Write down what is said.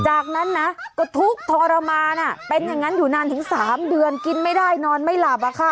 จากนั้นนะก็ทุกข์ทรมานเป็นอย่างนั้นอยู่นานถึง๓เดือนกินไม่ได้นอนไม่หลับ